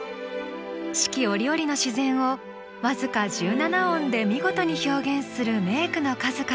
四季折々の自然を僅か十七音で見事に表現する名句の数々。